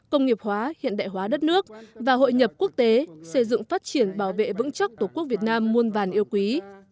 công nghiệp hóa hiện đại hóa đất nước và hội nhập quốc tế xây dựng phát triển bảo vệ vững chắc tổ quốc việt nam muôn vàn yêu quý